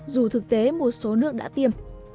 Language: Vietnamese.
dù thực tế một số nước đã tiêm